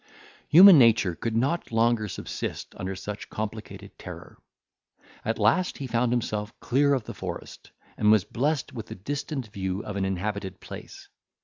Human nature could not longer subsist under such complicated terror. At last he found himself clear of the forest, and was blessed with the distant view of an inhabited place.